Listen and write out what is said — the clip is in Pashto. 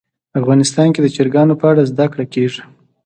افغانستان کې د چرګانو په اړه زده کړه کېږي.